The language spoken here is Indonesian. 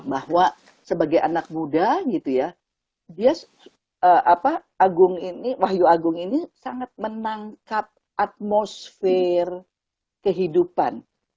bahwa sebagai anak muda gitu ya wahyu agung ini sangat menangkap atmosfer kehidupan